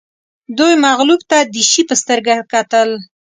دوی مغلوب ته د شي په سترګه کتل